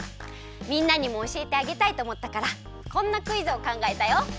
みんなにもおしえてあげたいとおもったからこんなクイズをかんがえたよ。